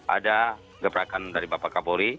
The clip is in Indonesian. ada gebrakan dari bapak kapolri